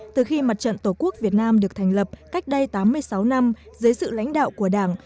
từ khi mặt trận tổ quốc việt nam được thành lập cách đây tám mươi sáu năm dưới sự lãnh đạo của đảng